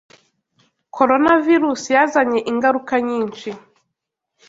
Coronavirus yazanye ingaruka nyinshi.